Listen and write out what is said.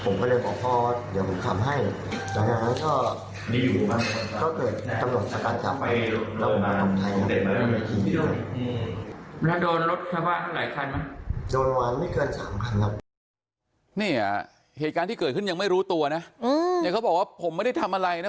เนี่ยเหตุการณ์ที่เกิดขึ้นยังไม่รู้ตัวนะเนี่ยเขาบอกว่าผมไม่ได้ทำอะไรนะ